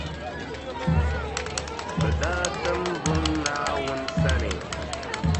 Bɛ daa tim buŋa Naawuni sani.